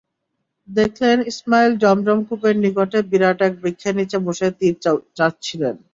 দেখলেন, ইসমাঈল যমযম কূপের নিকটে বিরাট এক বৃক্ষের নিচে বসে তীর চাছছিলেন।